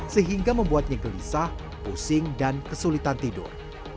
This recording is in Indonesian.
sehingga membuatnya gelisah pusing dan kesulitan tidur